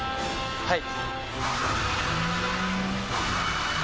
はい。